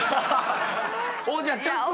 じゃあちゃんと。